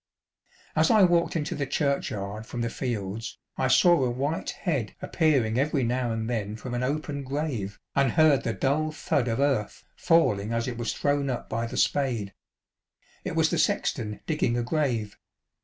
As I walked into the churchyard from the fields, I saw a white head appearing every now and then from an open grave, and heard the dull thud of earth falling as it was thrown up by the spade. It was the sexton digging a grave.